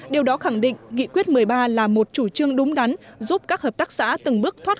điều đó khẳng định nghị quyết một mươi ba là một chủ trương đúng đắn giúp các hợp tác xã từng bước thoát